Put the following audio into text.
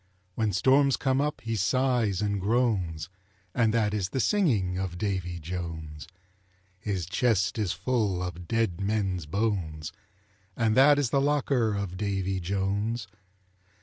When storms come up he sighs and groans, And that is the singing of Davy Jones. His chest is full of dead men's bones, And that is the locker of Davy Jones.